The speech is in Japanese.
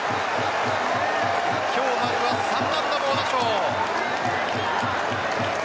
今日、丸は３安打猛打賞。